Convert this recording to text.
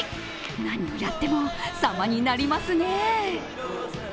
何をやっても様になりますね。